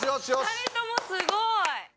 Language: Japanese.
２人ともすごい！